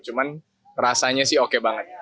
cuman rasanya sih oke banget